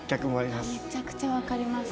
めちゃくちゃわかります。